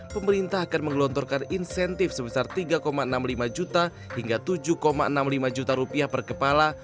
pemerintah akan menggelontorkan insentif sebesar rp tiga enam puluh lima juta hingga tujuh enam puluh lima juta rupiah per kepala